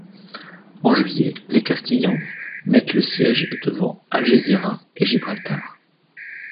En juillet, les Castillans mettent le siège devant Algésiras et Gibraltar.